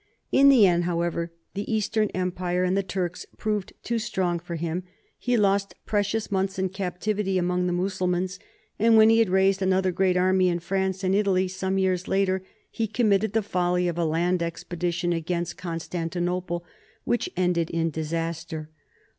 In the end, however, the Eastern Empire and the Turks proved too strong for him ; he lost precious months in captivity among the Mussulmans, and when he had raised another great army in France and Italy some years later, he committed the folly of a land ex pedition against Constantinople which ended in disas ter.